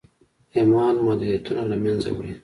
ايمان محدوديتونه له منځه وړي.